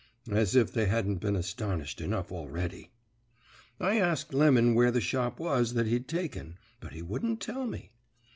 "As if they hadn't been astonished enough already. "I asked Lemon where the shop was that he'd taken, but he wouldn't tell me.